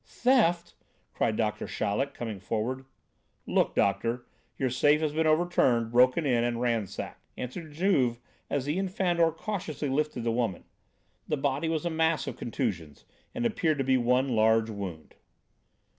"Theft!" cried Doctor Chaleck, coming forward. "Look, doctor, your safe has been overturned, broken in and ransacked," answered Juve, as he and Fandor cautiously lifted the woman. The body was a mass of contusions and appeared to be one large wound.